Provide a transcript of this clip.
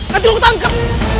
nanti kamu ketangkap